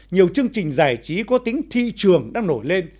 nhiều chương trình giải trí có tính thị trường đang nổi lên